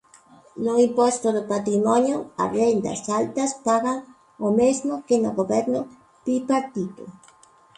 No imposto de patrimonio, as rendas altas pagan o mesmo que no Goberno bipartito.